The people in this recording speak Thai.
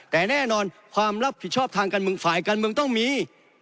แต่แน่นอนความรับผิดชอบทางการเมืองฝ่ายการเมืองต้องมี